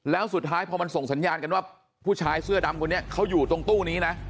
แล้วสุดท้ายพอมันส่งสัญญาณกันว่าผู้ชายเสื้อดำคนนี้เขาอยู่ตรงตู้นี้นะ